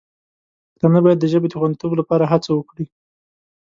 پښتانه باید د ژبې د خوندیتوب لپاره هڅه وکړي.